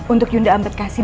untuk yunda amret kasyid